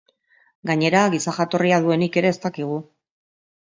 Gainera giza jatorria duenik ere ez dakigu.